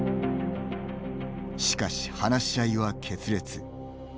しかし、話し合いは決裂。